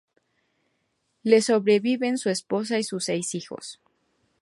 Le sobreviven su esposa y sus seis hijos.